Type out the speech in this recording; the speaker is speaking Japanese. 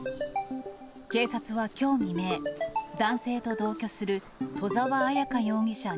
警察はきょう未明、男性と同居する戸澤彩香容疑者